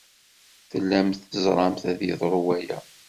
Tellamt teẓramt ad yeḍru waya.